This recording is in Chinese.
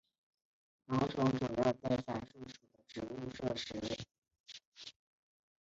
毛虫主要在伞树属的植物摄食。